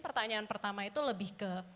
pertanyaan pertama itu lebih ke